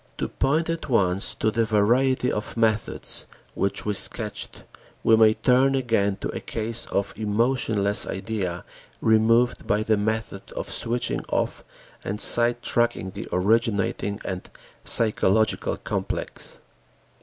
To point at once to the variety of methods which we sketched, we may turn again to a case of emotionless idea removed by the method of switching off and side tracking the originating and physiological "complex."